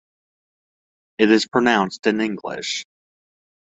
It is pronounced in English.